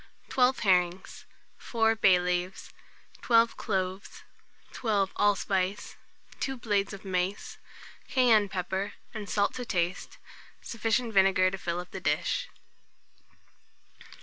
12 herrings, 4 bay leaves, 12 cloves, 12 allspice, 2 small blades of mace, cayenne pepper and salt to taste, sufficient vinegar to fill up the dish.